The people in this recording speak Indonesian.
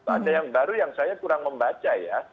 ada yang baru yang saya kurang membaca ya